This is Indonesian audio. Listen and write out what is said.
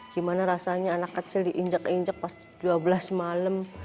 gimana rasanya anak kecil diinjak injak pas dua belas malam